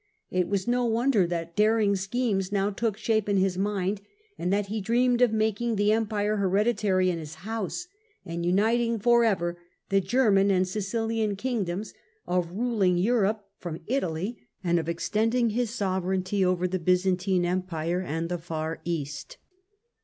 It was no wonder that daring schemes now took shape in his mind, and that he dreamed of making the Empire hereditary in his house, and uniting for ever the German and Sicilian kingdoms, of ruling Europe from Italy, and of extending his sovereignty over the Byzantine Empire and the far East.